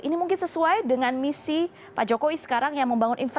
ini mungkin sesuai dengan misi pak jokowi sekarang yang membangun infrastruktur